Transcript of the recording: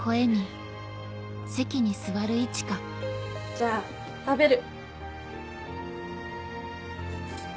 じゃあ食べる。